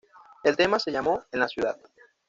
El tema se llamó "En la Ciudad".